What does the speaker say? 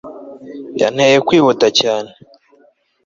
yanteye kwihuta cyane